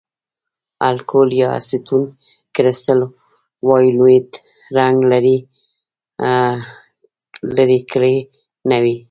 الکول یا اسیټون کرسټل وایولېټ رنګ لرې کړی نه وي.